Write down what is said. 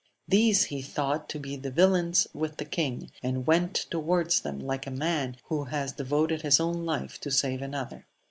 These he thought to be the villains with the king, and went towards them like a man who has devoted his own life to save another.